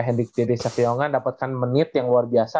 hendrik savyonga dapatkan menit yang luar biasa